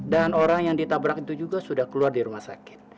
dan orang yang ditabrak itu juga sudah keluar di rumah sakit